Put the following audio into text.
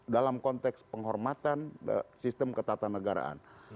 dalam konteks penghormatan sistem ketatanegaraan